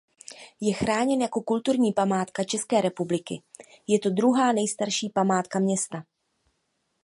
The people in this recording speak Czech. Je chráněn jako kulturní památka České republiky. Je to druhá nejstarší památka města.